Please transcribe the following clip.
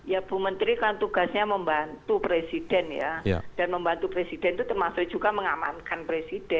ya bu menteri kan tugasnya membantu presiden ya dan membantu presiden itu termasuk juga mengamankan presiden